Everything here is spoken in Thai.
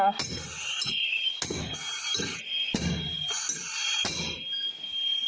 แม่งก่อน